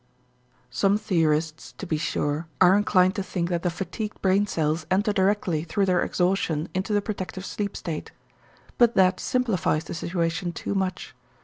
Some theorists, to be sure, are inclined to think that the fatigued brain cells enter directly through their exhaustion into the protective sleep state. But that simplifies the situation too much.